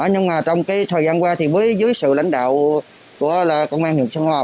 nhưng trong thời gian qua với dưới sự lãnh đạo của công an huyện sơn hòa